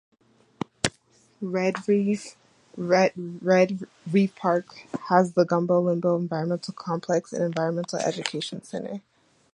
Red Reef Park has the Gumbo Limbo Environmental Complex, an environmental education center.